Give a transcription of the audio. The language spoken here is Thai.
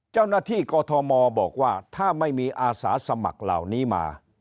เจ้าหน้าที่กอทมบอกว่าถ้าไม่มีอาสาสมัครเหล่านี้มา